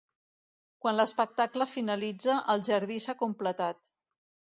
Quan l'espectacle finalitza, el jardí s'ha completat.